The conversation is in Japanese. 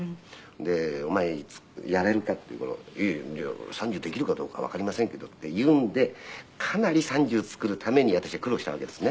で「お前やれるか？」って言うからじゃあ３０できるかどうかわかりませんけどっていうんでかなり３０作るために私は苦労したわけですね。